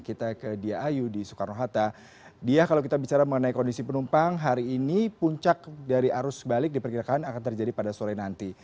kita ke dia ayu di soekarno hatta dia kalau kita bicara mengenai kondisi penumpang hari ini puncak dari arus balik diperkirakan akan terjadi pada sore nanti